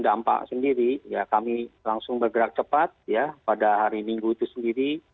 dan kami sendiri ya kami langsung bergerak cepat ya pada hari minggu itu sendiri